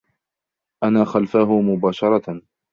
أنا خلفه مباشرة.